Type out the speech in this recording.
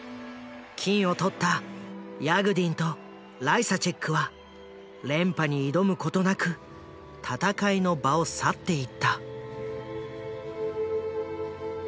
金を取ったヤグディンとライサチェックは連覇に挑むことなく戦いの場を去っていた。